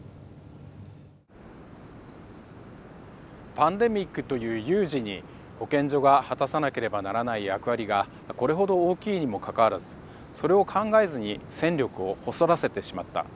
パンデミックという有事に保健所が果たさなければならない役割がこれほど大きいにもかかわらずそれを考えずに戦力を細らせてしまった。